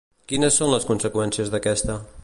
Quines són les conseqüències d'aquesta?